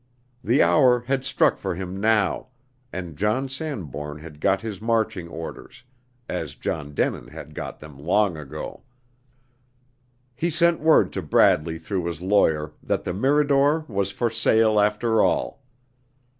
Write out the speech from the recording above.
The hour had struck for him now, and John Sanbourne had got his marching orders, as John Denin had got them long ago. He sent word to Bradley through his lawyer, that the Mirador was for sale, after all.